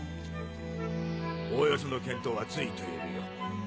おおよその見当はついているよ。